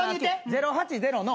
０８０の。